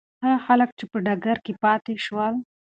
هغه خلک چې په ډګر کې پاتې شول.